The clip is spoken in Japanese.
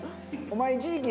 お前。